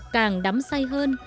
càng đắm say hơn